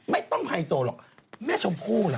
ไม่ต้องไฮโซหรอกแม่ชมพู่ล่ะ